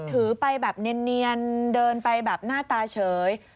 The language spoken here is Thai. ถือไปแบบเนียนเดินไปแบบหน้าตาเฉย